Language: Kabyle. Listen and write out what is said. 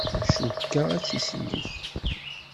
Cukkeɣ ad tt-isellek.